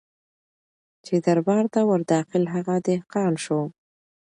چي دربار ته ور داخل هغه دهقان سو